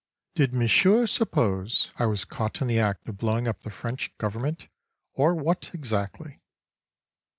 Did Monsieur suppose I was caught in the act of blowing up the French Government, or what exactly?